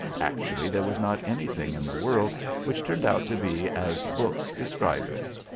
Actually there was not anything in the world which turned out to be as books describe it.